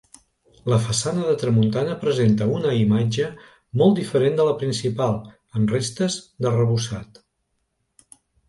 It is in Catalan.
La façana de tramuntana presenta una imatge molt diferent de la principal, amb restes d'arrebossat.